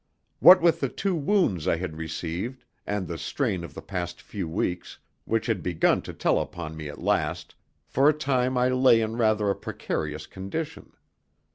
What with the two wounds I had received, and the strain of the past few weeks, which had begun to tell upon me at last, for a time I lay in rather a precarious condition.